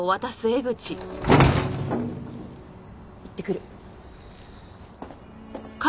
行ってくる。